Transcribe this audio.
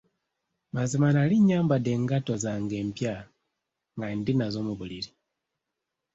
Mazima nali nyambadde engatto zange empya nga ndi nazo mu buliri.